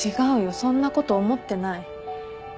そんなこと思ってない。